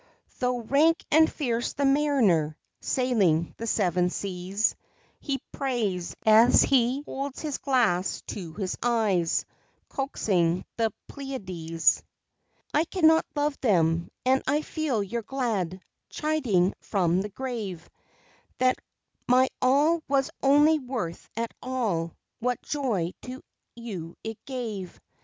Though rank and fierce the mariner Sailing the seven seas, He prays, as he holds his glass to his eyes, Coaxing the Pleiades. I cannot love them; and I feel your glad Chiding from the grave, That my all was only worth at all, what Joy to you it gave.